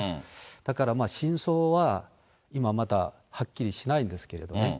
だから真相は今まだはっきりしないんですけどね。